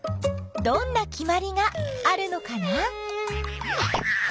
どんなきまりがあるのかな？